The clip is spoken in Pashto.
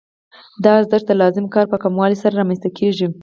دا ارزښت د لازم کار په کموالي سره رامنځته کېږي